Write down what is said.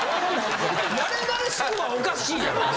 なれなれしくはおかしいやん。